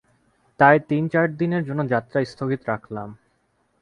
তাই তিন-চার দিনের জন্য যাত্রা স্থগিত রাখলাম।